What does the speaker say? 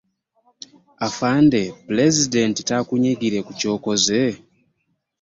Afande, pulezidenti taakunyiigire ku ky’okoze?